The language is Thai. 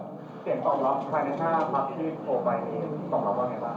เสียงตอบรับใครในท่าพักที่ได้โทรไปตอบรับว่าไงบ้าง